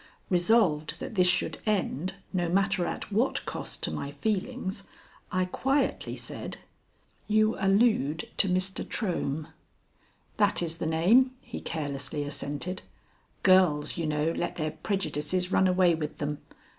Resolved that this should end, no matter at what cost to my feelings, I quietly said: "You allude to Mr. Trohm." "That is the name," he carelessly assented. "Girls, you know, let their prejudices run away with them.